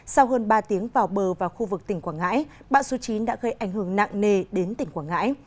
sau hơn ba tiếng vào bờ vào khu vực tỉnh quảng ngãi bão số chín đã gây ảnh hưởng nặng nề đến tỉnh quảng ngãi